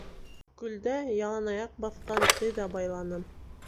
Көлдә ялан аяҡ баҫҡан эҙ абайланым.